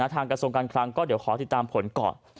กระทรวงการคลังก็เดี๋ยวขอติดตามผลก่อน